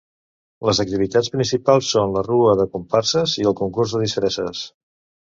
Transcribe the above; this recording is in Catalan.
Les activitats principals són la rua de comparses i el concurs de disfresses.